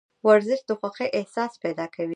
ورزش د خوښې احساس پیدا کوي.